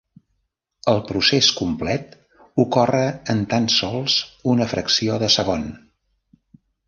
El procés complet ocorre en tan sols una fracció de segon.